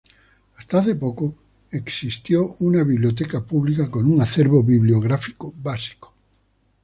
Hasta hace poco existió una biblioteca pública con un acervo bibliográfico básico.